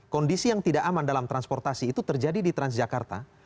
kondisi yang tidak aman dalam transportasi itu terjadi di transjakarta